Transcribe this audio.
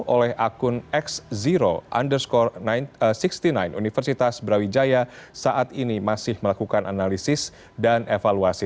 oleh akun x zero underscore enam puluh sembilan universitas brawijaya saat ini masih melakukan analisis dan evaluasi